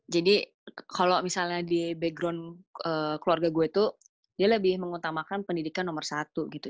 jadi kalau misalnya di background keluarga gue tuh dia lebih mengutamakan pendidikan nomor satu gitu